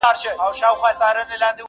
o مجبوره ته مه وايه، چي غښتلې!